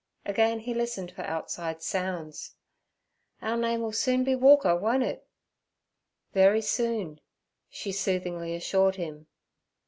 Again he listened for outside sounds. 'Our name 'll soon be Walker, won't it?' 'Very soon' she soothingly assured him.